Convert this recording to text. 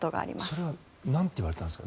それはなんて言われたんですか？